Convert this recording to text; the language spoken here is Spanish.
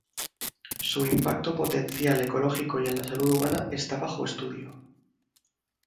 Su impacto potencial ecológico y en la salud humana está bajo estudio.